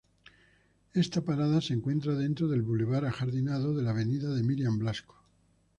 Esta parada se encuentra dentro del bulevar ajardinado de la avenida de Miriam Blasco.